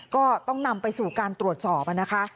ก็ต้องนำไปสู่การตรวจสอบนะคะ